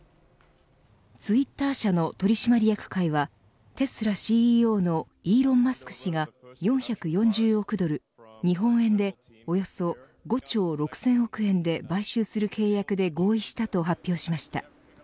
ツイッター社の取締役会はテスラＣＥＯのイーロン・マスク氏が４４０億ドル日本円でおよそ５兆６０００億円で買収する契約で合意したと発表しました。